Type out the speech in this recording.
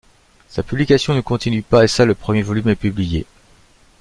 Sa publication ne continue pas et seul le premier volume est publié.